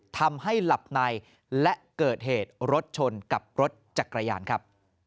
ทำให้หลับในและเกิดเหตุรถชนกับรถจักรยานครับ